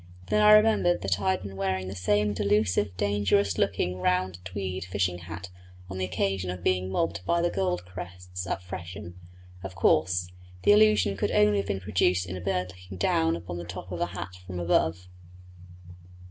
Then I remembered that I had been wearing the same delusive, dangerous looking round tweed fishing hat on the occasion of being mobbed by the gold crests at Frensham. Of course the illusion could only have been produced in a bird looking down upon the top of the hat from above.